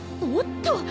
おっと！